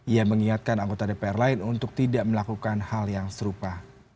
ia mengingatkan anggota dpr lain untuk tidak melakukan hal yang serupa